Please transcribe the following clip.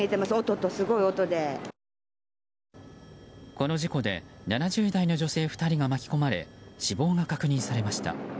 この事故で７０代の女性２人が巻き込まれ死亡が確認されました。